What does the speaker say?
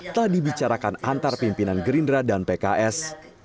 telah dibicarakan antar pimpinan gerindra dan pks